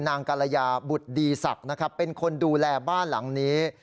กรยาบุตรดีศักดิ์นะครับเป็นคนดูแลบ้านหลังนี้